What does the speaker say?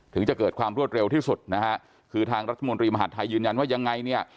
ถึงจะเกิดความรวดเร็วที่สุดนะฮะคือทางรัฐมนตรีมหาดไทยยืนยันว่ายังไงเนี่ย